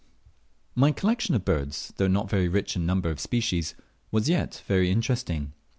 My collection of birds, though not very rich in number of species, was yet very interesting.